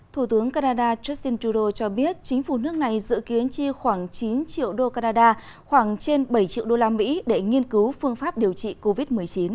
thủ tướng canada justin trudeau cho biết chính phủ nước này dự kiến chi khoảng chín triệu đô canada khoảng trên bảy triệu đô la mỹ để nghiên cứu phương pháp điều trị covid một mươi chín